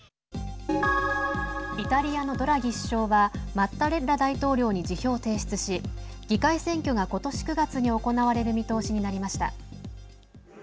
イタリアのドラギ首相はマッタレッラ大統領に辞表を提出し議会選挙が、ことし９月に行われる見通しになりました。